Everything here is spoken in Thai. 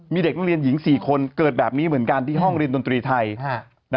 มีเด็กนักเรียนหญิง๔คนเกิดแบบนี้เหมือนกันที่ห้องเรียนดนตรีไทย